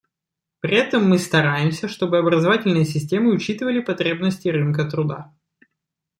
При этом мы стараемся, чтобы образовательные системы учитывали потребности рынка труда.